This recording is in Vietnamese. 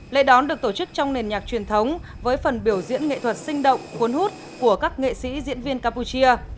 lễ đón được tổ chức trong nền nhạc truyền thống với phần biểu diễn nghệ thuật sinh động cuốn hút của các nghệ sĩ diễn viên campuchia